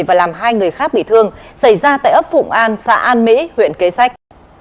và làm hai người khác bị thương xảy ra tại ấp phụng an xã an mỹ huyện kế sách